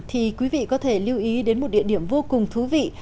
thì quý vị có thể lưu ý đến một địa điểm vô cùng thú vị